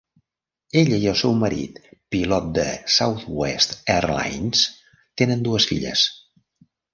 Ella i el seu marit, pilot de Southwest Airlines, tenen dues filles.